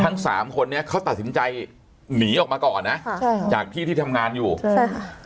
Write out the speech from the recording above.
ทั้งสามคนนี้เขาตัดสินใจหนีออกมาก่อนนะค่ะใช่จากที่ที่ทำงานอยู่ใช่ค่ะ